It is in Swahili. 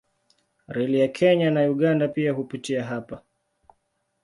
Reli ya Kenya na Uganda pia hupitia hapa.